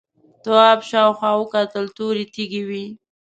تواب شاوخوا وکتل تورې تیږې وې.